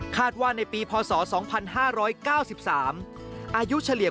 กลับวันนั้นไม่เอาหน่อย